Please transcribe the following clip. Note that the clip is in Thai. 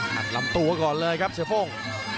หันลำตัวก่อนเลยครับเสียโฟง